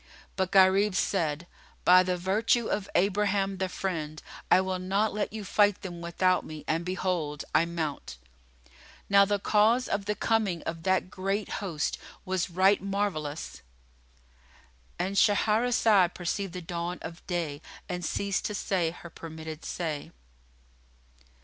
But Gharib said "By the virtue of Abraham the Friend, I will not let you fight them without me and behold, I mount!" Now the cause of the coming of that great host was right marvellous.[FN#46]——And Shahrazad perceived the dawn of day and ceased to say her permitted say.